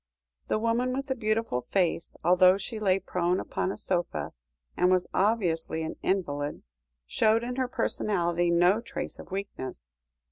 The woman with the beautiful face, although she lay prone upon a sofa, and was obviously an invalid, showed in her personality no trace of weakness.